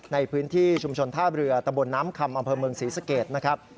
ในพื้นที่ชุมชนท่าเรือตะบนน้ำคำอำเภอเมืองศรีสเกตนะครับ